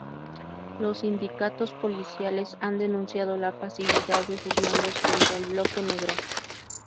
Los sindicatos policiales han denunciado la pasividad de sus mandos frente al bloque negro.